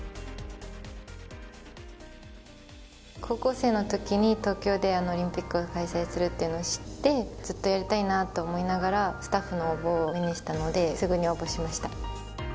高校生の時に東京でオリンピックを開催するっていうのを知ってずっとやりたいなと思いながらスタッフの応募を目にしたのですぐに応募しました。